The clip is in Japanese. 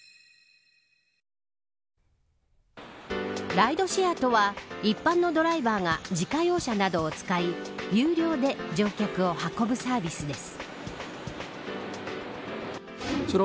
ライドシェアとは一般のドライバーが自家用車などを使い有料で乗客を運ぶサービスです。